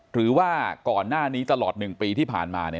หรือว่าก่อนหน้านี้ตลอด๑ปีที่ผ่านมา